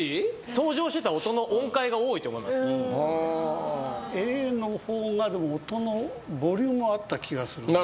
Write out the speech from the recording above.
登場してた音の音階が多いと思いますはあー音のボリュームがあった気がするんですよね